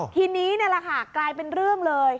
ทีนี้นี่แหละค่ะกลายเป็นเรื่องเลย